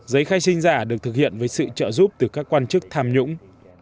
giấy khai sinh giả được thực hiện với sự trợ giúp từ các quan chức tham nhũng